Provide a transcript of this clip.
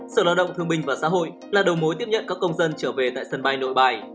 sở lao động thương minh và xã hội là đầu mối tiếp nhận các công dân trở về tại sân bay nội bài